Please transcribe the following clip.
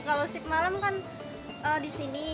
kalau sik malam kan di sini